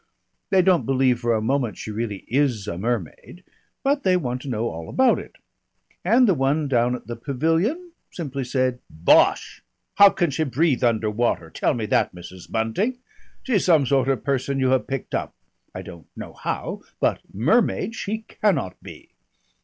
They don't believe for a moment she really is a mermaid, but they want to know all about it. And the one down at the Pavilion simply said, 'Bosh! How can she breathe under water? Tell me that, Mrs. Bunting. She's some sort of person you have picked up, I don't know how, but mermaid she cannot be.'